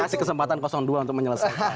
kasih kesempatan dua untuk menyelesaikan